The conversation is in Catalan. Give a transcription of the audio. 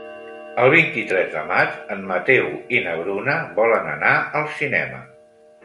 El vint-i-tres de maig en Mateu i na Bruna volen anar al cinema.